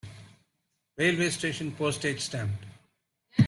Railway station Postage stamp.